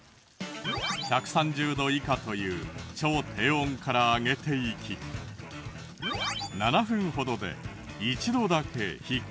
１３０度以下という超低温から揚げていき７分ほどで一度だけ引っくり返す。